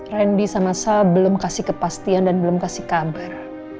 randy sama saya belum kasih kepastian dan belum kasih kabar